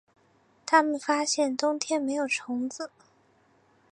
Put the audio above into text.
他们发现冬天没有虫子